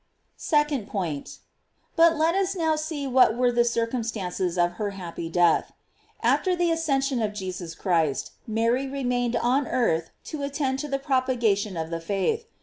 Second Point. — But let us now see what were the circumstances of her happy death. After the ascension of Jesus Christ, Mary remained on earth to attend to the propagation of the faith.